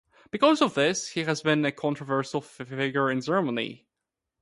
Because of this, he has been a controversial figure in Germany.